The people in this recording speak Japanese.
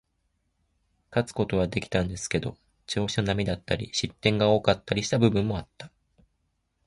勝つことはできたんですけど、調子の波だったり、失点が多かったりした部分もあった。